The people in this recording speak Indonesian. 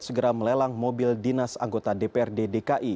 segera melelang mobil dinas anggota dprd dki